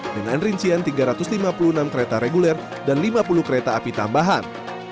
dengan rincian tiga ratus lima puluh enam kereta reguler dan lima puluh kereta api tambahan